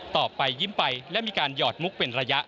ไปยิ้มไปและมีการหยอดมุกเป็นระยะ